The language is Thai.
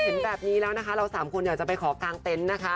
เห็นแบบนี้แล้วนะคะเราสามคนอยากจะไปขอกางเต็นต์นะคะ